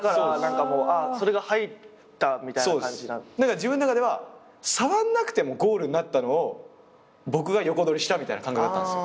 自分の中では触んなくてもゴールになったのを僕が横取りしたみたいな感覚だったんですよ。